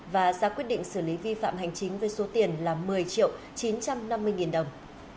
và ra quyết định xử lý vi phạm hành chính với số tiền là một mươi triệu chín trăm năm mươi nghìn đồng